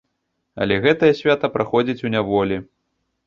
Але гэтае свята праходзіць у няволі.